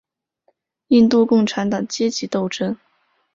印度共产党阶级斗争。